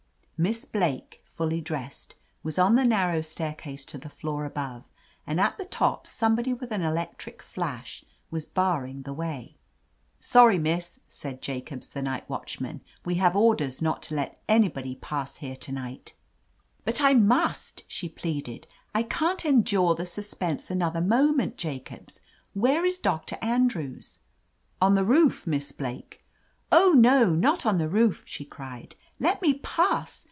Miss Blake, fully dressed, was on the nar row staircase to the floor above, and at the top somebody with an electric flash was bar ring the way. "Sorry, Miss,*' said Jacobs, the night watch man. "We have orders not to let anybody pass here to night." "But I must 1" she pleaded. "I can't endure thie suspense another moment, Jacobs ! Where is Doctor Andrews?" "On the roof. Miss Blake." "Oh, no, not on the roof !" she cried. "Let me pass.